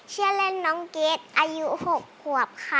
ชื่อเล่นน้องเกรทอายุ๖ขวบค่ะ